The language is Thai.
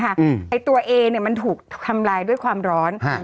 ค่ะอืมไอตัวแยเนี่ยมันถูกคำลายด้วยความร้อนฮะ